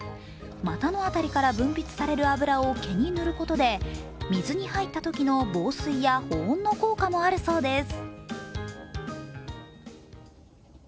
股の辺りから分泌される脂を毛に塗ることで、水に入ったときの防水や保温の効果もあるそうです。